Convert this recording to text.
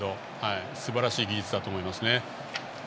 すばらしい技術だと思います。